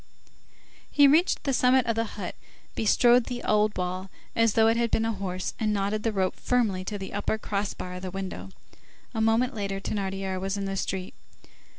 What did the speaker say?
He reached the summit of the hut, bestrode the old wall as though it had been a horse, and knotted the rope firmly to the upper cross bar of the window. A moment later, Thénardier was in the street.